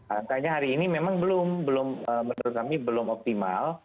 angkanya hari ini memang belum menurut kami belum optimal